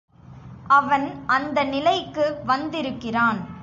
அவன் அந்த நிலைக்கு வந்திருக்கிறான்.